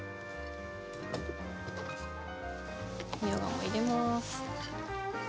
みょうがも入れます。